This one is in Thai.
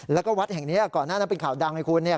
แล้วก็วัดแห่งนี้ก่อนหน้านั้นเป็นข่าวดังให้คุณเนี่ย